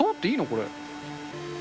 これ。